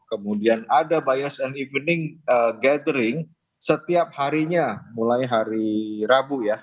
kemudian ada bias and evening gathering setiap harinya mulai hari rabu ya